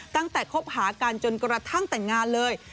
ตั้งแต่คบหากันจนกระทั่งแต่งงานเลย